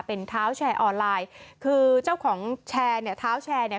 เป็นเท้าแชร์ออนไลน์คือเจ้าของแชร์เนี่ยเท้าแชร์เนี่ย